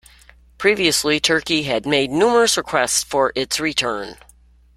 Previously, Turkey had made numerous requests for its return.